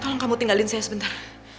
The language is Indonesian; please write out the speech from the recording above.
kalau kamu tinggalin saya sebentar